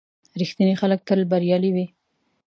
• رښتیني خلک تل بریالي وي.